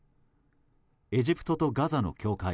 エジプトとガザの境界